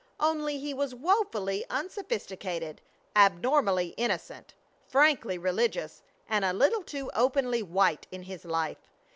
Only he was woefully unsophisticated, abnormally innocent, frankly religious, and a little too openly white in his life.